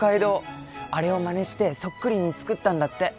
あれをまねしてそっくりに造ったんだって。